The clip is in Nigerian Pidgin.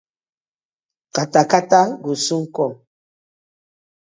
Kata kata go soon kom.